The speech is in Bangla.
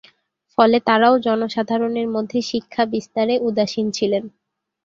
ফলে তারাও জনসাধারনের মধ্যে শিক্ষা বিস্তারে উদাসীন ছিলেন।